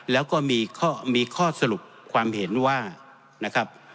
แล้วก็มีข้อมีข้อสรุปความเห็นว่านะครับ